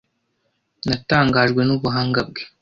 Natangajwe n'ubuhanga bwe.